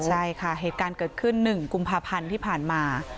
ใช่ค่ะเหตุการณ์เกิดขึ้น๑กุมภาพันธ์ที่ผ่านมา